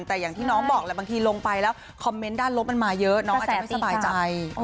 แต่อย่างที่น้องบอกแหละบางทีลงไปแล้วคอมเมนต์ด้านลบมันมาเยอะน้องอาจจะไม่สบายใจ